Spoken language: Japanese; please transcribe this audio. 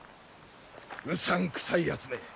うさんくさいやつめ。